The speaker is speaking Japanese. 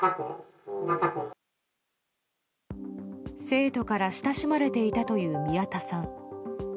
生徒から親しまれていたという宮田さん。